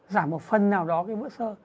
giảm một phần nào đó cái vữa sơ